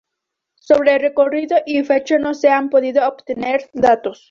Sobre el recorrido y fechas no se han podido obtener datos.